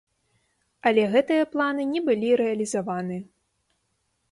Але гэтыя планы не былі рэалізаваны.